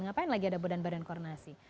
ngapain lagi ada badan badan koordinasi